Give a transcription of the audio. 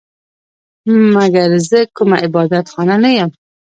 مګر زه کومه عبادت خانه نه یم